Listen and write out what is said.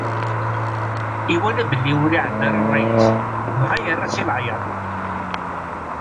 Iwala belli ur iɛedda ara ṛṛay-is, dɣa yerra-tt i leɛyaḍ.